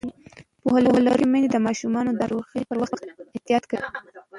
پوهه لرونکې میندې د ماشومانو د ناروغۍ پر وخت احتیاط کوي.